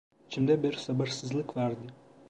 İçimde bir sabırsızlık vardı.